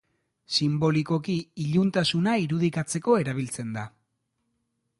Sinbolikoki iluntasuna irudikatzeko erabiltzen da.